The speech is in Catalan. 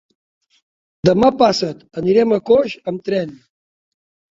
Demà passat anirem a Coix amb tren.